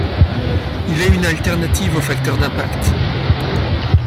Il est une alternative au facteur d'impact.